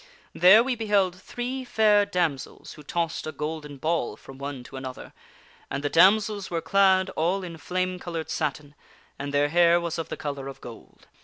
There we beheld three fair damsels who tossed a golden ball from one to another, and the damsels were clad all in flame colored satin, and their hair was of the color of gold.